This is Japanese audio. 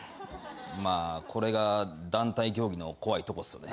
まあこれが団体競技の怖いとこっすよね。